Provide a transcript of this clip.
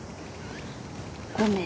ごめん。